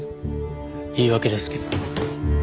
言い訳ですけど。